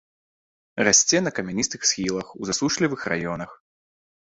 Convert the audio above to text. Расце на камяністых схілах у засушлівых раёнах.